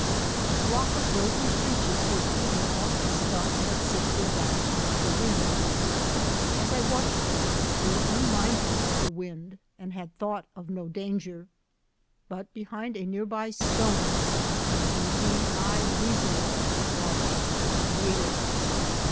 A flock of rosy finches were feeding off the stuff that sifted down out of the wind. As I watched them, they were unmindful of the wind and had thought of no danger. But behind a near by stone a beady eyed weasel watched and waited.